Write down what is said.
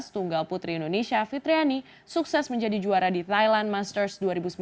tunggal putri indonesia fitriani sukses menjadi juara di thailand masters dua ribu sembilan belas